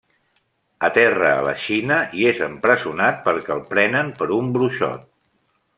Aterra a la Xina i és empresonat perquè el prenen per un bruixot.